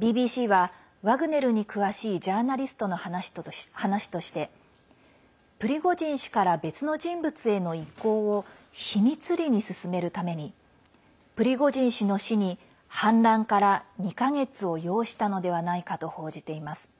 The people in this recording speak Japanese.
ＢＢＣはワグネルに詳しいジャーナリストの話としてプリゴジン氏から別の人物への移行を秘密裏に進めるためにプリゴジン氏の死に反乱から２か月を要したのではないかと報じています。